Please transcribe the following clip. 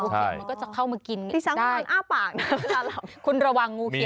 คุณระวังงูเขียวจะกินตับ